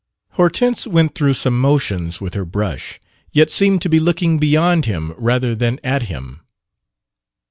Hortense went through some motions with her brush, yet seemed to be looking beyond him rather than at him.